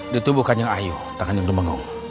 di tubuh kanjeng ayu tangan yang demamu